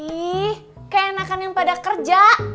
ih kayak enakan yang pada kerja